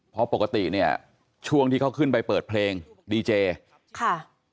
เพราะปกติเนี่ยช่วงที่เขาขึ้นไปเปิดเพลงดีเจค่ะ